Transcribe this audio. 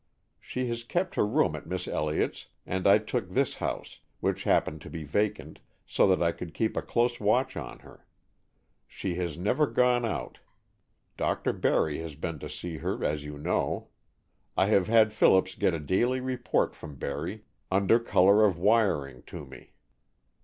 She has kept her room at Miss Elliott's, and I took this house, which happened to be vacant, so that I could keep a close watch on her. She has never gone out. Dr. Barry has been to see her, as you know. I have had Phillips get a daily report from Barry, under color of wiring to me.